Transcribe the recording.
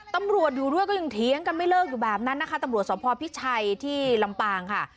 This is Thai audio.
ตำรวจอยู่ด้วยก็ยังเถียงกันไม่เลิกอยู่แบบนั้นนะคะตำรวจสภพิชัยที่ลำปางค่ะ